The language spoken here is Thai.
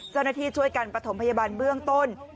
เจ้าหน้าที่ช่วยกันประถมพยาบาลเบื้องต้น